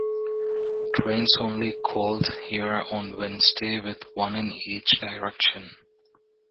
Trains only called here on Wednesday with one in each direction.